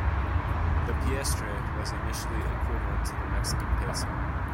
The piastre was initially equivalent to the Mexican peso.